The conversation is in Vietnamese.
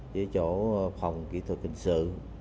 với chỗ phòng kỹ thuật hình sự